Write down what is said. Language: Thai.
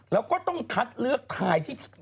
แล้วก็ต้องคัดเลือกทายที่